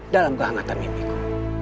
dalam kehangatan mimpiku